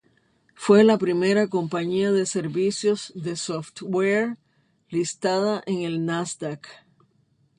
Fue la primera compañía de servicios de software listada en el Nasdaq.